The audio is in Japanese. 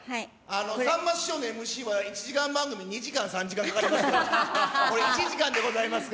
さんま師匠のＭＣは１時間番組、２時間、３時間かかりますけど、分かりました。